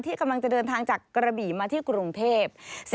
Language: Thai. กำลังจะเดินทางจากกระบี่มาที่กรุงเทพ